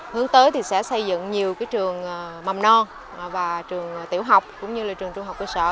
hướng tới thì sẽ xây dựng nhiều trường mầm non và trường tiểu học cũng như là trường trung học cơ sở